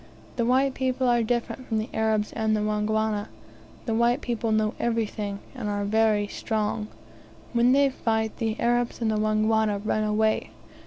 The white people are different from the Arabs and Wangwana; the white people know everything, and are very strong. When they fight, the Arabs and the Wangwana run away.